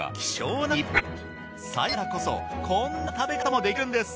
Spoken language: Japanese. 最高の鮮度だからこそこんな食べ方もできるんです。